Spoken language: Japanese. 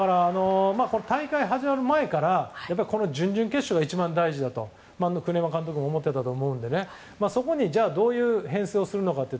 大会始まる前から準々決勝が一番大事だと栗山監督も思っていたと思うのでそこにどういう編成をするのかという。